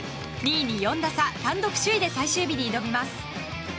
２位に４打差単独首位で最終日に挑みます。